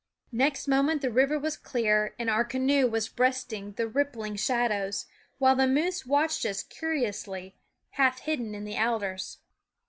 Next moment the river was clear and our canoe was breasting the rippling shallows, while the moose watched us curiously, half hidden in the alders.